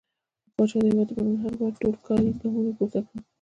پاچا د هيواد د پرمختګ لپاره ټوکلي ګامونه پورته کړل .